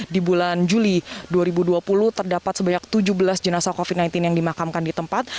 di bulan juli dua ribu dua puluh terdapat sebanyak tujuh belas jenazah covid sembilan belas yang dimakamkan di tempat